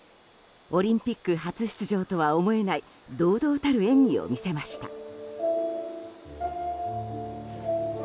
オリンピック初出場とは思えない堂々たる演技を見せました。